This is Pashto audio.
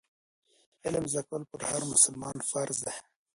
علم زده کول پر هر مسلمان فرض دي.